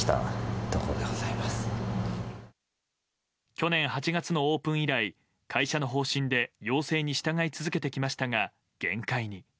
去年８月のオープン以来会社の方針で要請に従い続けてきましたが限界に。